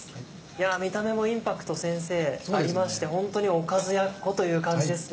見た目もインパクト先生ありましてホントにおかずやっこという感じですね。